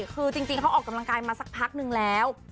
คือจริงเขาออกกำลังกายมาสักพักนึงแล้ว